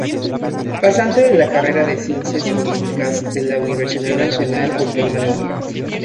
Pasante de la carrera de Ciencias Jurídicas de la Universidad Nacional Autónoma de Honduras.